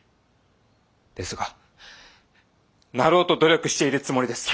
ですがなろうと努力しているつもりです。